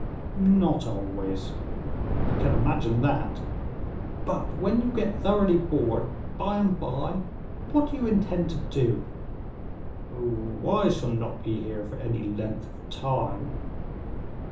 "Not always." "I can imagine that; but when you get thoroughly bored, by and by, what do you intend to do?" "Oh! I shall not be here for any length of time.